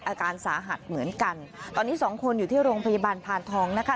อาการสาหัสเหมือนกันตอนนี้สองคนอยู่ที่โรงพยาบาลพานทองนะคะ